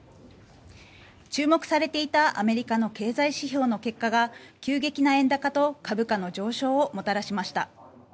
注目されていたアメリカの経済指標の結果が急激な円高と株価の上昇をもたらしました。